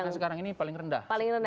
sekarang ini paling rendah